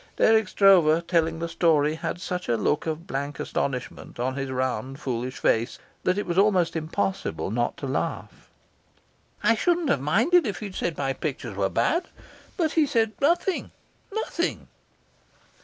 Dirk Stroeve, telling the story, had such a look of blank astonishment on his round, foolish face that it was almost impossible not to laugh. "I shouldn't have minded if he'd said my pictures were bad, but he said nothing nothing."